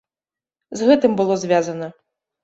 З гэтым было звязана.